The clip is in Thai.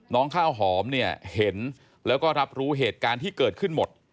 ข้าวหอมเนี่ยเห็นแล้วก็รับรู้เหตุการณ์ที่เกิดขึ้นหมด